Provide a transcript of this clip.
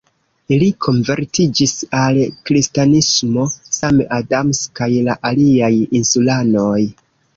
Li konvertiĝis al kristanismo, same Adams kaj la aliaj insulanoj.